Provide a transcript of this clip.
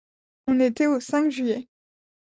On était au cinq juillet.